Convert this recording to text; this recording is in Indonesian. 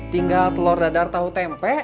tinggal telur dadar tahu tempe